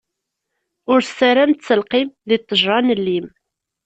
Ur ssaram ttelqim di ttejṛa n llim!